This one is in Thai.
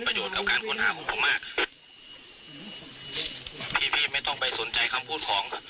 ประโยชน์กับการค้นหาผมมากพี่พี่ไม่ต้องไปสนใจคำพูดของ